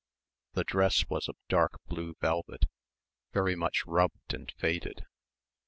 The dress was of dark blue velvet very much rubbed and faded.